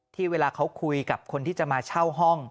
เวลาเขาคุยกับคนที่จะมาเช่าห้อง